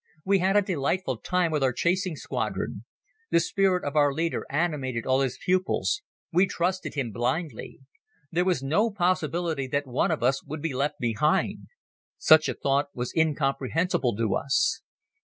We had a delightful time with our chasing squadron. The spirit of our leader animated all his pupils. We trusted him blindly. There was no possibility that one of us would be left behind. Such a thought was incomprehensible to us.